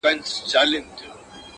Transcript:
o د لوږي مړ سه، د بل ډوډۍ ته مه گوره٫